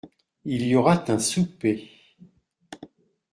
Il y aura un souper…